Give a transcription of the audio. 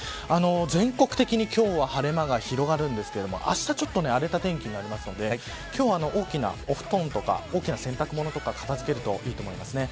全国的に今日は晴れ間が広がるんですがあしたはちょっと荒れた天気になるので今日は大きなお布団とか大きな洗濯物を片付けるといいと思います。